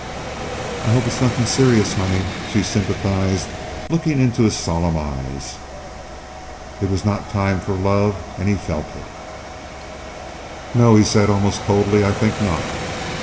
"I hope it's nothing serious, honey?" she sympathized, looking into his solemn eyes. It was not time for love, and he felt it. "No," he said, almost coldly, "I think not."